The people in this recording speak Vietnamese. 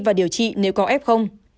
và điều trị nếu có ép không